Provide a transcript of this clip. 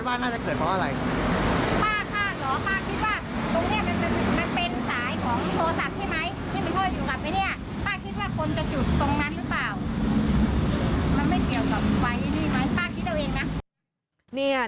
มันไม่เกี่ยวกับไวนี่ไหมป้าคิดเอาเองนะ